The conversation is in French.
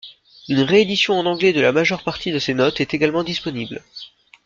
Une réédition en anglais de la majeure partie de ces notes est également disponible.